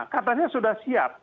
katanya sudah siap